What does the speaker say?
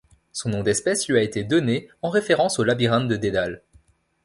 Son nom d'espèce lui a été donné en référence au Labyrinthe de Dédale.